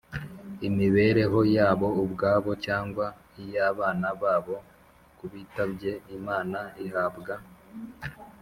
Imibereho yabo ubwabo cyangwa iy abana babo kubitabye Imana ihabwa